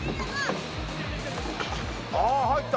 ああ入った！